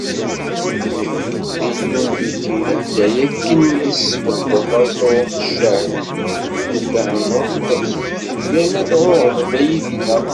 Nekk, d Illu n Bitil, anda akken i tesbeddeḍ aẓru d ccahed, tdehneḍ-t s zzit, yerna tɛuhdeḍ-iyi dinna.